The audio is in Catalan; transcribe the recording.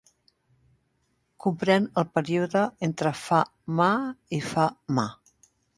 Comprèn el període entre fa Ma i fa Ma.